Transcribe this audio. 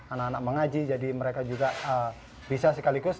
anak anak mengaji jadi mereka juga bisa sekaligus